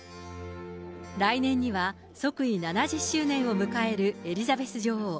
来年には、即位７０周年を迎えるエリザベス女王。